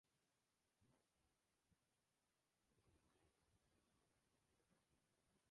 Senarra itxita mantentzen zuten, zuen izaera zela eta.